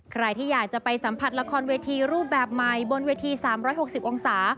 ใครที่อยากจะไปสัมผัสละครเวทีรูปแบบใหม่บนเวที๓๖๐องศา